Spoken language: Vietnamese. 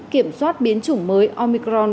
kiểm soát biến chủng mới omicron